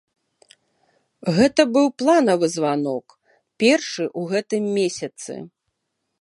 Гэта быў планавы званок, першы ў гэтым месяцы.